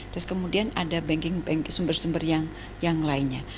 terus kemudian ada sumber sumber yang lainnya